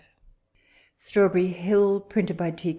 STRAWBERRY HILL: PRINTED BY T.